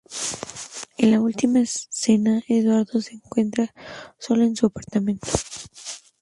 En la última escena Eduardo se encuentra solo en su apartamento.